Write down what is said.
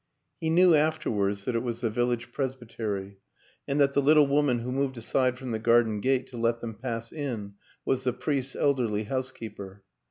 He knew afterwards that it was the village presbytery and that the lit tle woman who moved aside from the garden gate to let them pass in was the priest's elderly house keeper.